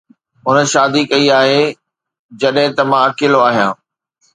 هن شادي ڪئي آهي جڏهن ته مان اڪيلو آهيان